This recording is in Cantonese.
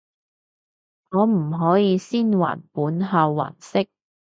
可唔可以先還本後還息？